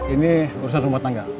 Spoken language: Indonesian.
ini urusan rumah tangga